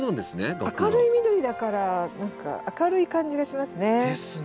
明るい緑だから何か明るい感じがしますね。ですね。